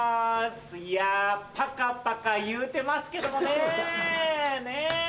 いやパカパカいうてますけどもね。ね。